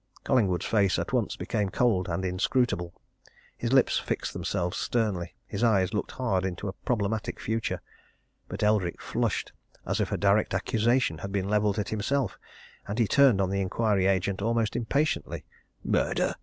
Collingwood's face at once became cold and inscrutable; his lips fixed themselves sternly; his eyes looked hard into a problematic future. But Eldrick flushed as if a direct accusation had been levelled at himself, and he turned on the inquiry agent almost impatiently. "Murder!"